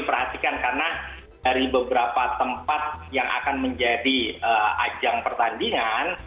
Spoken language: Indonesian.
perhatikan karena dari beberapa tempat yang akan menjadi ajang pertandingan